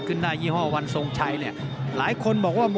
ครับครับครับครับครับครับครับครับ